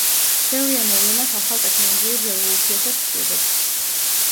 ბევრი ამ მოვლენას ახალ ტექნოლოგიურ რევოლუციასაც უწოდებს.